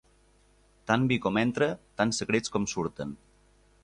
Tant vi com entra, tants secrets com surten.